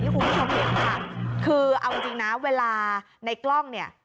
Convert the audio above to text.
คือเอาจริงเอาอะเวลาในกล้องเนี่ย